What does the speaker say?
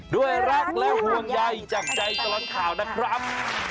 ด้วยรักและห่วงใยจากใจตลอดข่าวนะครับ